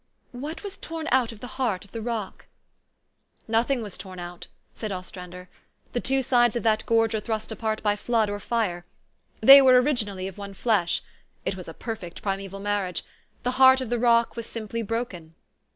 " What was torn out of the heart of the rock? " 84 THE STORY OF AVIS. " Nothing was torn out," said Ostrander. " The two sides of that gorge are thrust apart by flood or fire. They were originally of one flesh. It was a perfect primeval marriage. The heart of the rock was simply broken."